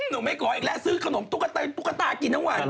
หนูไม่ขอซื้อขนมทุกตากินทั้งวัน